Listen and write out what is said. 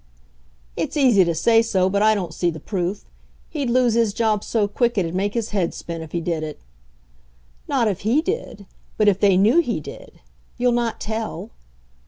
"It's easy to say so but I don't see the proof. He'd lose his job so quick it'd make his head spin if he did it." "Not if he did, but if they knew he did. You'll not tell?"